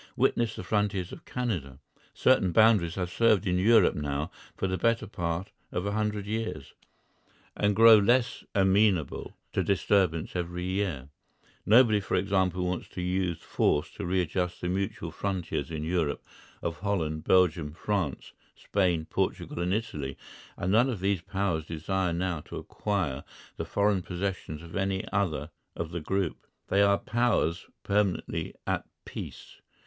Witness the frontiers of Canada. Certain boundaries have served in Europe now for the better part of a hundred years, and grow less amenable to disturbance every year. Nobody, for example, wants to use force to readjust the mutual frontiers in Europe of Holland, Belgium, France, Spain, Portugal and Italy, and none of these Powers desire now to acquire the foreign possessions of any other of the group. They are Powers permanently at peace.